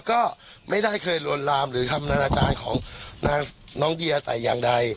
ข้าพเจ้าไม่ยุ่ง